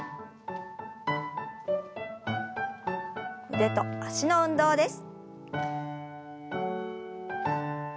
腕と脚の運動です。